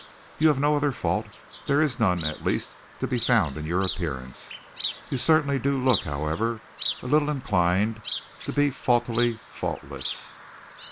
"You have no other fault. There is none, at least, to be found in your appearance. You certainly do look, however, a little inclined to be faultily faultless."